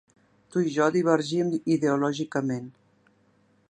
Tu i jo divergim ideològicament.